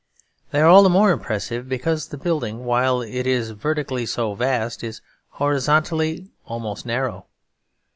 They are all the more impressive because the building, while it is vertically so vast, is horizontally almost narrow.